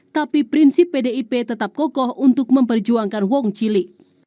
tapi prinsip pdip tetap kokoh untuk memperjuangkan wong cili